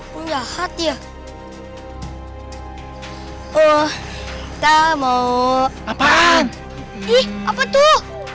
pun jahat ya oh tak mau apaan ih apa tuh